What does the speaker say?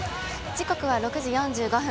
時刻は６時４５分。